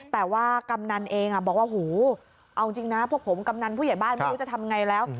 แต่ว่ากำนันเองบอกว่าหูเอาจริงนะพวกผมกำนันผู้ใหญ่บ้านไม่รู้จะทำไงแล้ว